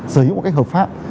sở hữu một cách hợp pháp